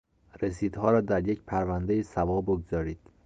رسیدها را در یک پروندهی سوا بگذارید.